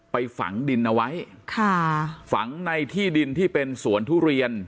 ฝังดินเอาไว้ค่ะฝังในที่ดินที่เป็นสวนทุเรียน